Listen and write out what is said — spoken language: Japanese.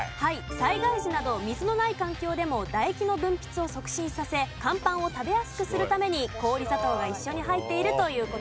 災害時など水のない環境でも唾液の分泌を促進させカンパンを食べやすくするために氷砂糖が一緒に入っているという事です。